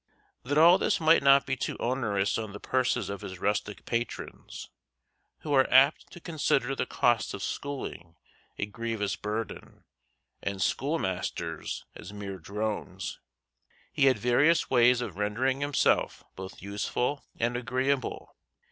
That all this might not be too onerous on the purses of his rustic patrons, who are apt to consider the costs of schooling a grievous burden and schoolmasters as mere drones, he had various ways of rendering himself both useful and agreeable.